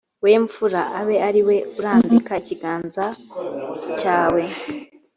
we mpfura abe ari we urambika ikiganza cyawe